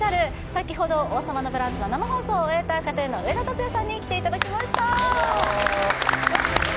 先ほど「王様のブランチ」の生放送を終えたＫＡＴ−ＴＵＮの上田竜也さんに来ていただきました。